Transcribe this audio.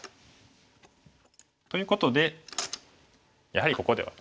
ということでやはりここでは。